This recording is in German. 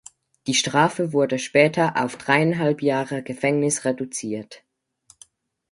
Die Strafe wurde später auf dreieinhalb Jahre Gefängnis reduziert.